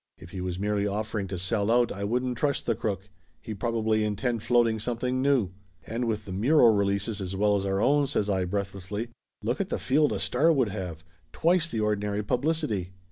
If he was merely offering to sell out I wouldn't trust the crook. He'd probably in tend floating something new !" "And with the Muro releases as well as our own," says I breathlessly, "look at the field a star would have ! Twice the ordinary publicity!"